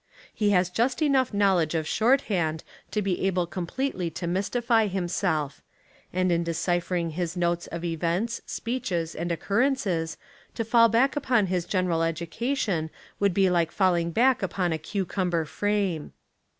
He has just enough knowledge of short hand to be able completely to mystify himself; and in deciphering his notes of events, speeches, and occurrences, to fall back upon his general education would be like falling back upon a cucumber frame.